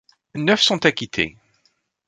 Neuf sont acquittés.